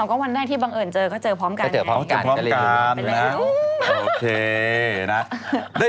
ก็วันแรกที่บังเอิญเจอก็เจอพร้อมกันไง